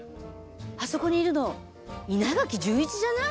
あそこにいるの稲垣潤一じゃない？